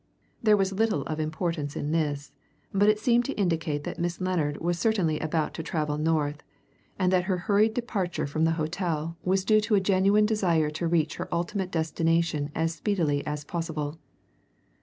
There was little of importance in this, but it seemed to indicate that Miss Lennard was certainly about to travel North, and that her hurried departure from the hotel was due to a genuine desire to reach her ultimate destination as speedily as possible.